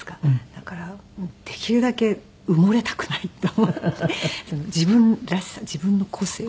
だからできるだけ埋もれたくないって思って自分らしさ自分の個性を。